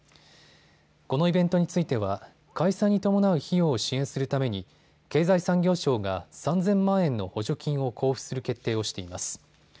このイベントについては開催に伴う費用を支援するために経済産業省が３０００万円の補助金を交付する決定をしています。